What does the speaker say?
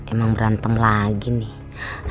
emang berantem lagi nih